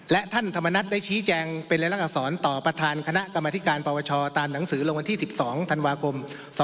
และท่านธรรมนัฐได้ชี้แจงเป็นรายลักษรต่อประธานคณะกรรมธิการปวชตามหนังสือลงวันที่๑๒ธันวาคม๒๕๖๒